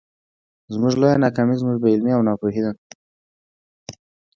زموږ لويه ناکامي زموږ بې علمي او ناپوهي ده.